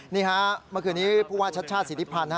เมื่อคืนนี้พูดว่าชัดชาติสิทธิพันธ์